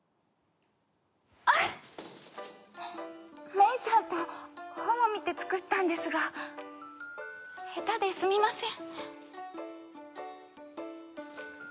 芽依さんと本を見て作ったんですが下手ですみません。